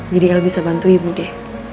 jadi el bisa bantu ibu deh